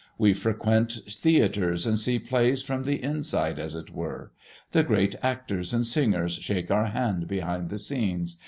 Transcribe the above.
We frequent theatres and see plays from the inside, as it were. The great actors and singers shake our hand behind the scenes.